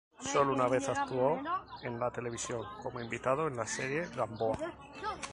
Sólo una vez actuó en la televisión, como invitado en la serie "Gamboa".